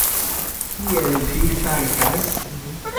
Kiel Vi fartas?